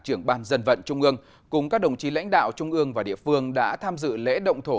trưởng ban dân vận trung ương cùng các đồng chí lãnh đạo trung ương và địa phương đã tham dự lễ động thổ